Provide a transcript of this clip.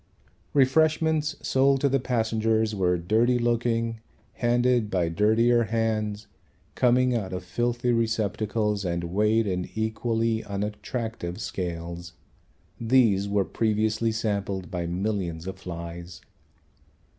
Refreshments sold to the passengers were dirty looking, handed by dirtier hands, coming out of filthy receptacles and weighed in equally unattractive scales. These were previously sampled by millions of flies.